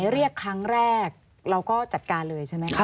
เรียกครั้งแรกเราก็จัดการเลยใช่ไหมคะ